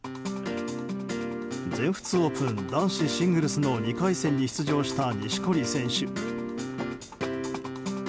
全仏オープン男子シングルスの２回戦に出場した錦織選手。